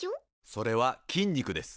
それは筋肉です。